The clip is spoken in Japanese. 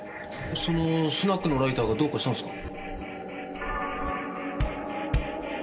そのスナックのライターがどうかしたんですか？